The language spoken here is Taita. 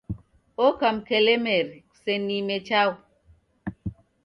Oka mkelemeri Kuseniime chaghu